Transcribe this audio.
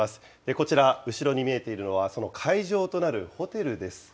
こちら、後ろに見えているのは、その会場となるホテルです。